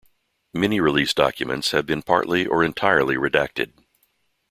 Many released documents have been partly, or entirely, redacted.